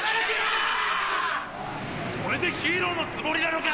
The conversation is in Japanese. それでヒーローのつもりなのか！